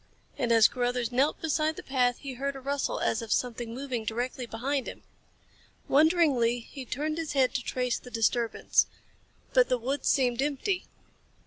And as Carruthers knelt beside the path he heard a rustle as of something moving directly behind him. Wonderingly, he turned his head to trace the disturbance. But the woods seemed empty.